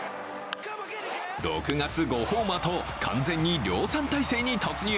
６月５ホーマーと完全に量産体制に突入。